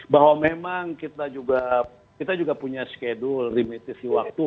bahwa memang kita juga punya schedule limited si waktu